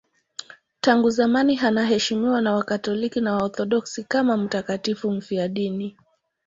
Tangu zamani anaheshimiwa na Wakatoliki na Waorthodoksi kama mtakatifu mfiadini.